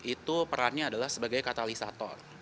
itu perannya adalah sebagai katalisator